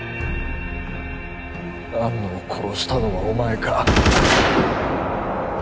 安野を殺したのはお前か！？